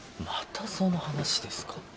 またその話ですか？